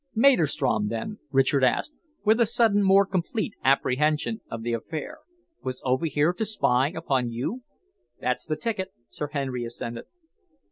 "Maderstrom, then," Richard asked, with a sudden more complete apprehension of the affair, "was over here to spy upon you?" "That's the ticket," Sir Henry assented.